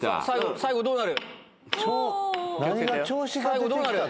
最後どうなる？